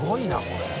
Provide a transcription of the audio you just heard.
これ。